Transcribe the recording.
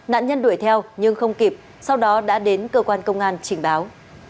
nạn nhân đuổi theo nhưng không kịp sau đó đã đến cơ quan công an trình báo